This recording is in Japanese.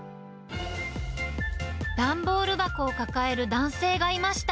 段ボール箱を抱える男性がいました。